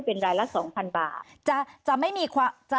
เป็นรายละ๒๐๐๐บาท